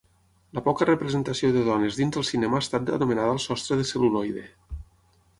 La poca representació de dones dins del cinema ha estat anomenada el sostre de cel·luloide.